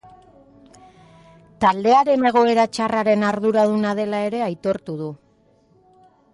Taldearen egoera txarraren arduraduna dela ere, aitortu du.